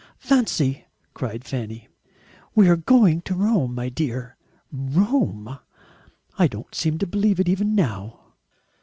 "Fancy!" cried Fanny, "we are going to Rome, my dear! Rome! I don't seem to believe it, even now."